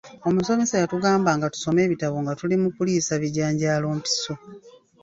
Omusomesa yatugambanga nti tusome ebitabo nga tuli mu kuliisa bijanjalo mpiso